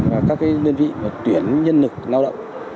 và các đơn vị tuyển nhân lực lao động